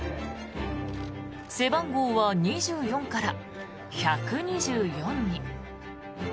背番号は２４から１２４に。